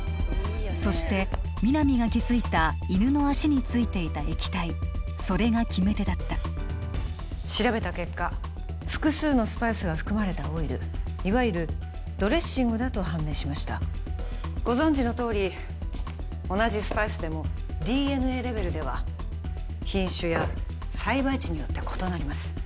そして皆実が気づいた犬の足についていた液体それが決め手だった調べた結果複数のスパイスが含まれたオイルいわゆるドレッシングだと判明しましたご存じのとおり同じスパイスでもＤＮＡレベルでは品種や栽培地によって異なります